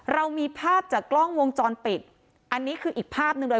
เรามีภาพจากกล้องวงจรปิดอันนี้คืออีกภาพหนึ่งเลย